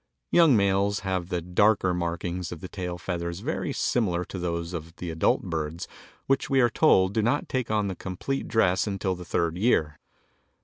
Young males have the darker markings of the tail feathers very similar to those of the adult birds, which we are told do not take on the complete dress until the third year.